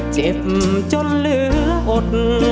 เจ็บจนเหลืออด